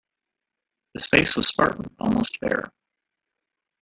The space was spartan, almost bare.